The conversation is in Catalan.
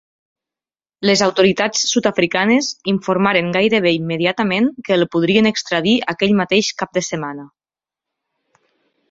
Les autoritats sud-africanes informaren gairebé immediatament que el podrien extradir aquell mateix cap de setmana.